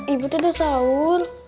ibu tidur sahur